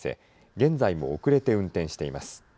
現在も遅れて運転しています。